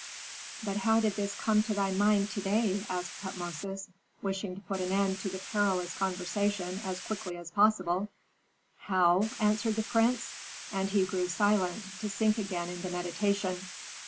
"But how did this come to thy mind to day?" asked Tutmosis, wishing to put an end to the perilous conversation as quickly as possible. "How?" answered the prince; and he grew silent, to sink again into meditation.